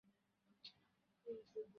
তিনি পবিত্র কুরআন মুখস্থ করেন।